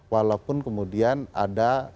walaupun kemudian ada